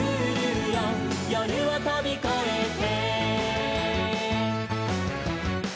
「夜をとびこえて」